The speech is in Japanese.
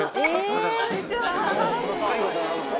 こんにちは。